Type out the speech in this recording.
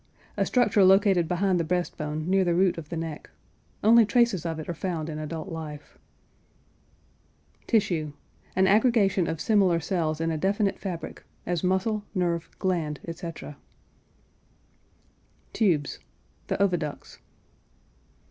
A structure located behind the breast bone near the root of the neck. Only traces of it are found in adult life. TISSUE. An aggregation of similar cells in a definite fabric, as muscle, nerve, gland, etc. TUBES. The oviducts.